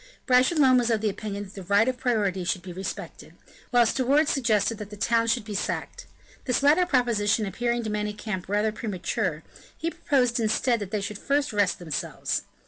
Bragelonne was of the opinion that the right of priority should be respected, while De Wardes suggested that the town should be sacked. This latter proposition appearing to Manicamp rather premature, he proposed instead that they should first rest themselves.